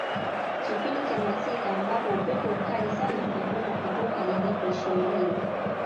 kipindi cha masika ambapo upepo mkali sana huvuma kutoka lilipo shimo hilo